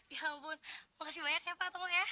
ya ampun makasih banyak ya pak tau mu ya